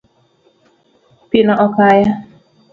Pino okaya.